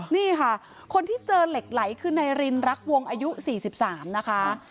นี่ค่ะคนที่เจอเหล็กไหลคือนายรินรักวงอายุ๔๓นะคะ